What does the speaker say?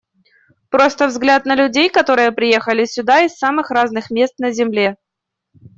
Просто взгляд на людей, которые приехали сюда из самых разных мест на земле.